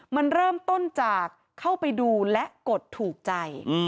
มันเริ่มต้นจากเข้าไปดูและกดถูกใจ